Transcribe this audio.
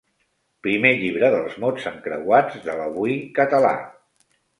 Primer llibre dels mots encreuats de l'Avui Català.